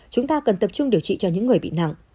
chúng ta cần tập trung điều trị cho những người bị nặng